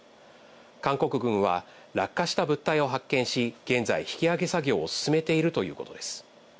韓国軍は落下した物体を発見し、現在引き揚げ作業を進めているということです。